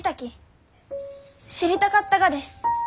知りたかったがです。